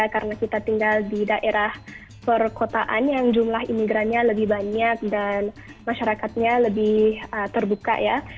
karena kita tinggal di daerah perkotaan yang jumlah imigran nya lebih banyak dan masyarakatnya lebih terbuka ya